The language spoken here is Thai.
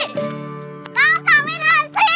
น้ำตาไม่ทันสิ